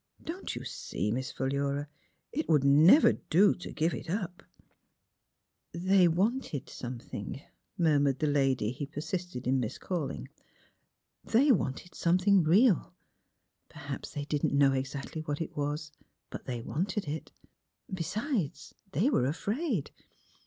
Don't you see, Miss Philura, it would never do to give it up I " 36 THE HEART OF PHH^URA *' They wanted something, '' murmured the lady he persisted in miscalling. '' They wanted some thing real — perhaps they didn't know exactly what it was; but they wanted it. Besides they were afraid."